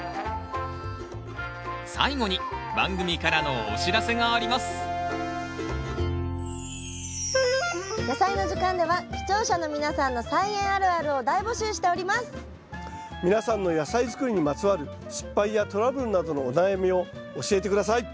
最後に番組からのお知らせがあります「やさいの時間」では視聴者の皆さんの皆さんの野菜づくりにまつわる失敗やトラブルなどのお悩みを教えて下さい。